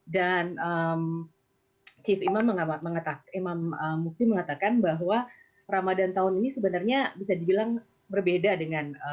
dan chief imam mengatakan bahwa ramadan tahun ini sebenarnya bisa dibilang berbeda dengan